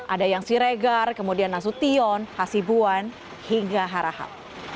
ada yang siregar kemudian nasution hasibuan hingga harahapal